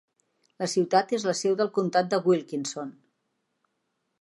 La ciutat és la seu del comtat de Wilkinson.